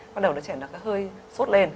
bắt đầu trẻ nó hơi sốt lên